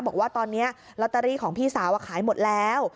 บอกว่าตอนนี้ลอตเตอรี่ของพี่สาวขายหมดแล้ว